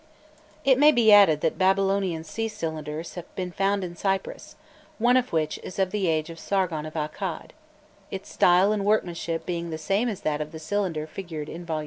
It may be added that Babylonian seal cylinders have been found in Cyprus, one of which is of the age of Sargon of Accad, its style and workmanship being the same as that of the cylinder figured in vol.